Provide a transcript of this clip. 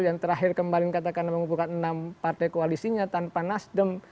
yang terakhir kemarin katakan mengumpulkan enam partai koalisinya tanpa nasdem